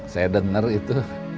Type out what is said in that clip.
saya dengar itu